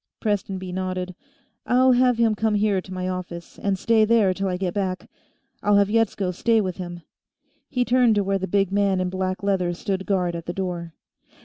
Prestonby nodded. "I'll have him come here to my office, and stay there till I get back; I'll have Yetsko stay with him." He turned to where the big man in black leather stood guard at the door.